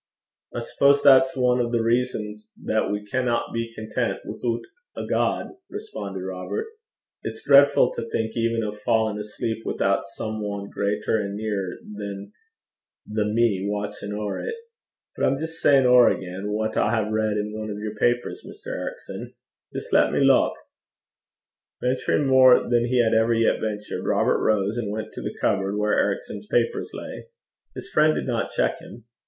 'I suppose that's ane o' the reasons that we canna be content withoot a God,' responded Robert. 'It's dreidfu' to think even o' fa'in' asleep withoot some ane greater an' nearer than the me watchin' ower 't. But I'm jist sayin' ower again what I hae read in ane o' your papers, Mr. Ericson. Jist lat me luik.' Venturing more than he had ever yet ventured, Robert rose and went to the cupboard where Ericson's papers lay. His friend did not check him.